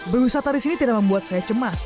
berwisata di sini tidak membuat saya cemas